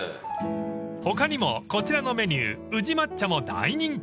［他にもこちらのメニュー宇治抹茶も大人気］